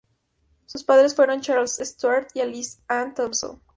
Sus padres fueron Charles Stuart y Alicia Ann Thompson.